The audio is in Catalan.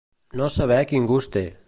No saber quin gust té.